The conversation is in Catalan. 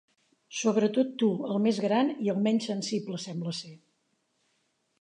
Sobretot tu, el més gran, i el menys sensible, sembla ser.